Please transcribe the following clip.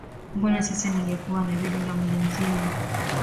Mbona sasa ningekuwa na vidonda mwili mzima